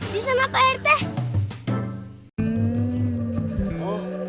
di sana para tek